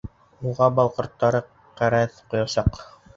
Уға бал ҡорттары кәрәҙ ҡоясаҡ.